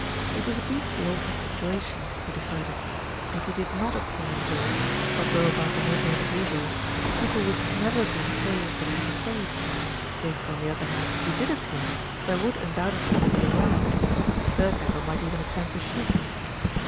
It was a beastly awkward situation, he decided. If he did not appear in the village, or go about the neighbourhood as usual, people would inevitably say that he was afraid. If, on the other hand, he did appear, there would undoubtedly be a row, Thirkettle might even attempt to shoot him.